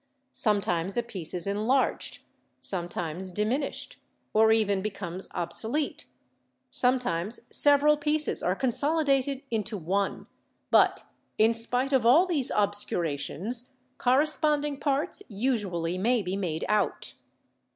Sometimes a piece is enlarged, sometimes diminished, or even becomes obsolete; some times several pieces are consolidated into one ; but, in spite of all these obscurations, corresponding parts usually may be made out."